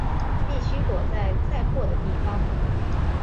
必须躲在载货的地方